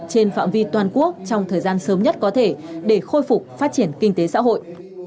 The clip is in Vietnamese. trên phạm vi toàn quốc trong thời gian sớm nhất có thể để khôi phục phát triển kinh tế xã hội